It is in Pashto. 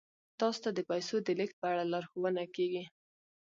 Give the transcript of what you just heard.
تاسو ته د پیسو د لیږد په اړه لارښوونه کیږي.